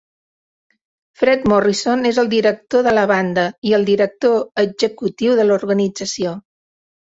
Fred Morrison és el director de la banda i el director executiu de l'organització.